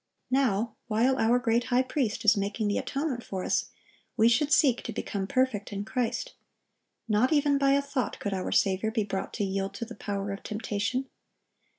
(1062) Now, while our great High Priest is making the atonement for us, we should seek to become perfect in Christ. Not even by a thought could our Saviour be brought to yield to the power of temptation.